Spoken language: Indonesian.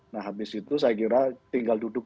nah habis itu saya kira tinggal duduk